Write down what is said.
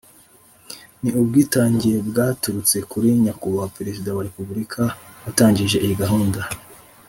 ni ubwitange bwaturutse kuri Nyakubahwa Perezida wa Republika watangije iyi gahunda